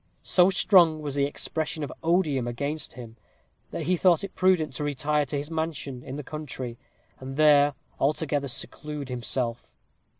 So strong was the expression of odium against him, that he thought it prudent to retire to his mansion, in the country, and there altogether seclude himself.